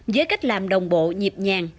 với cách làm đồng bộ nhịp nhàng